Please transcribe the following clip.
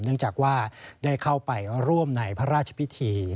เนื่องจากว่าได้เข้าไปร่วมในพระราชพิธี